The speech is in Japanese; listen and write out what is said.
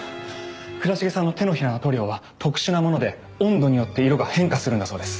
倉重さんの手のひらの塗料は特殊なもので温度によって色が変化するんだそうです。